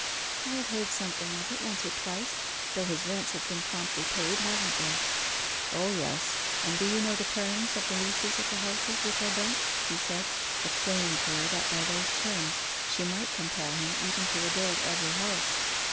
'I have heard something of it, once or twice, though his rents have been promptly paid, haven't they?' 'O yes; and do you know the terms of the leases of the houses which are burnt?' he said, explaining to her that by those terms she might compel him even to rebuild every house.